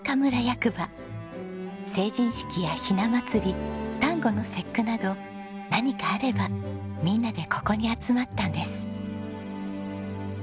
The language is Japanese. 成人式やひな祭り端午の節句など何かあればみんなでここに集まったんです。